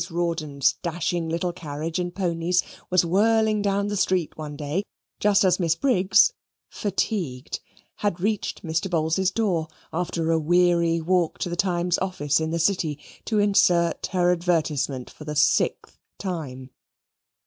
Rawdon's dashing little carriage and ponies was whirling down the street one day, just as Miss Briggs, fatigued, had reached Mr. Bowls's door, after a weary walk to the Times Office in the City to insert her advertisement for the sixth time.